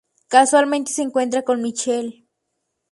Casualmente, se encuentra con Michelle.